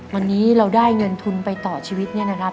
วันนี้เราได้เงินทุนไปต่อชีวิตเนี่ยนะครับ